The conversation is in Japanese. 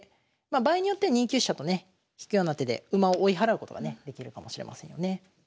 場合によっては２九飛車とね引くような手で馬を追い払うことがねできるかもしれませんよね。